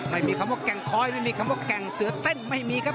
ไม่มีคำว่าแก่งคอยไม่มีคำว่าแก่งเสือเต้นไม่มีครับ